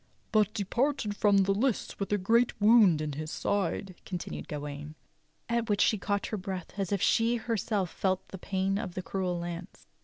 "— but departed from the lists with a great w^ound in his side," continued Gawain. At which she caught her breath as if she herself felt the pain of the cruel lance.